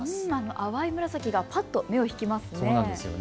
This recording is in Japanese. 淡い紫がぱっと目を引きますね。